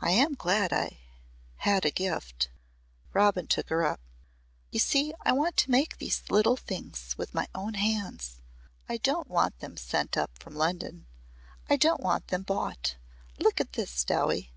"I am glad I had a gift," Robin took her up. "You see I want to make these little things with my own hands. I don't want them sent up from London. I don't want them bought. Look at this, Dowie."